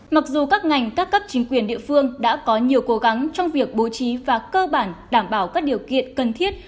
mặc dù các ngành các cấp chính quyền địa phương đã có nhiều cố gắng trong việc bố trí và cơ bản đảm bảo các điều kiện cần thiết